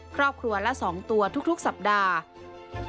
ครอบครัวละ๒ตัวทุกสัปดาห์